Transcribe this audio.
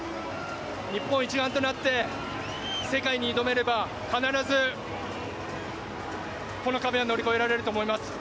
日本一丸となって、世界に挑めれば、必ずこの壁は乗り越えられると思います。